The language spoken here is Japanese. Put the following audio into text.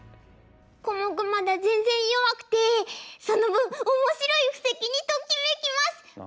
コモクまだ全然弱くてその分面白い布石にときめきます！